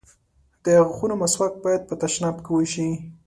د غاښونو مسواک بايد په تشناب کې وشي.